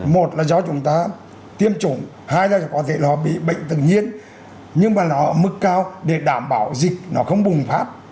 một là do chúng ta tiêm chủng hai là có thể nó bị bệnh tự nhiên nhưng mà nó ở mức cao để đảm bảo dịch nó không bùng phát